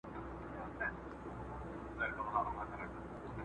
ميرمنو د ناروغۍ پر مهال څه ډول اجازه ورکړه؟